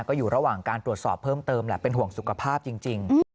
ก็อยู่ระหว่างการตรวจสอบเพิ่มเติมแหละเป็นห่วงสุขภาพจริง